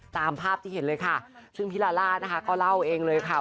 ตามภาพที่เห็นเลยค่ะซึ่งพี่ลาล่านะคะก็เล่าเองเลยค่ะ